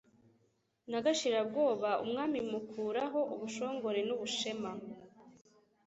Na Gashira-bwoba, Umwami mukura ho ubushongore n'ubushema,